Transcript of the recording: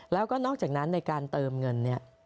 แล้วก็นอกจากนั้นในการเติมเงินเนี่ย